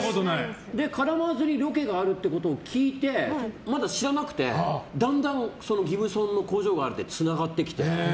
カラマーズにロケがあるということを聞いてまだ知らなくて、だんだんギブソンの工場があるってつながってきて。